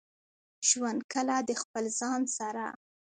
ژوند کله د خپل ځان سره.